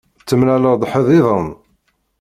Temlaleḍ-d ḥedd-iḍen?